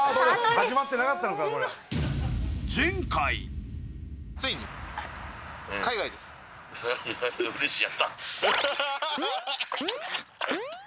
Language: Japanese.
始まってなかったのか、これついに初の海外編。